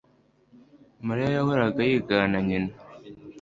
Mariya yahoraga yigana nyina